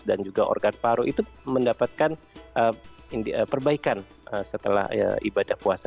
dan juga organ paru itu mendapatkan perbaikan setelah ibadah puasa